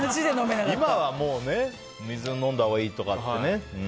今は水を飲んだほうがいいとかってね。